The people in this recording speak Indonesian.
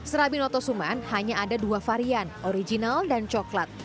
serabi noto suman hanya ada dua varian original dan coklat